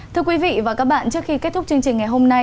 thưa quý vị và các bạn trước khi kết thúc chương trình ngày hôm nay